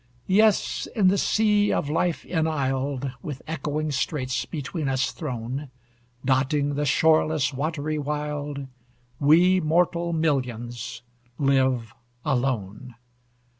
Yes! in the sea of life enisled, With echoing straits between us thrown, Dotting the shoreless watery wild, We mortal millions live alone.